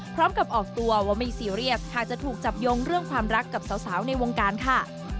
พร้อมกับออกตัวว่าไม่ซีเรียสหากจะถูกจับยงเรื่องความรักกับสาวในวงการค่ะ